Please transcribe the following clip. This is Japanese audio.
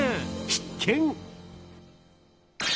必見！